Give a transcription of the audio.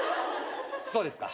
そうですか。